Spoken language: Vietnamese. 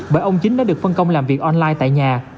bởi ông chính đã được phân công làm việc online tại nhà